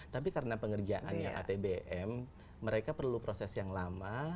tapi karena pengerjaannya atbm mereka perlu proses yang lama